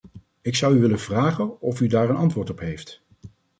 Ik zou u willen vragen of u daar een antwoord op heeft.